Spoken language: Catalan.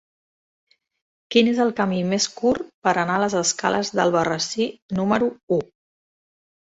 Quin és el camí més curt per anar a les escales d'Albarrasí número u?